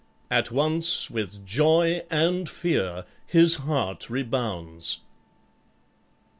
At once with joy and fear his heart rebounds."